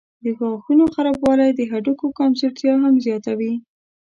د غاښونو خرابوالی د هډوکو کمزورتیا هم زیاتوي.